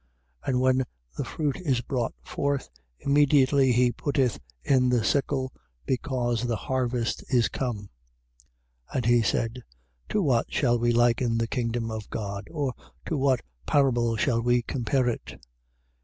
And when the fruit is brought forth, immediately he putteth in the sickle, because the harvest is come. 4:30. And he said: To what shall we liken the kingdom of God? or to what parable shall we compare it? 4:31.